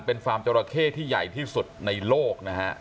เป็นฟาร์มจราเข้ที่ใหญ่ที่สุดในโลกนะฮะ